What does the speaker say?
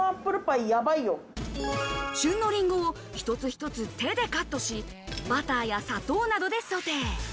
旬のリンゴを一つ一つ、手でカットし、バターや砂糖などでソテー。